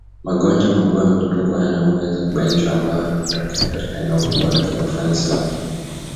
magonjwa makuu ya mlipuko yanayoweza kubainishwa ambayo hutokea katika eneo kubwa lakini ufanisi wake